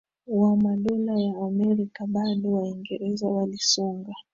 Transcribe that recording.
wa Madola ya Amerika Bado Waingereza walisonga